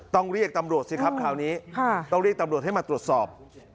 ต้องเรียกตำรวจสิครับคราวนี้ต้องเรียกตำรวจให้มาตรวจสอบ